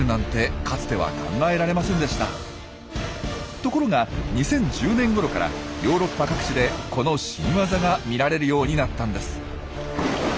ところが２０１０年ごろからヨーロッパ各地でこの新ワザが見られるようになったんです。